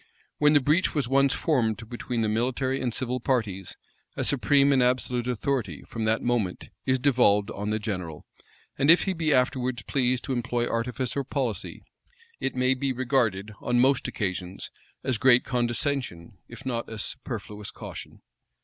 When the breach was once formed between the military and civil powers, a supreme and absolute authority, from that moment, is devolved on the general; and if he be afterwards pleased to employ artifice or policy, it may be regarded, on most occasions, as great condescension, if not as superfluous caution.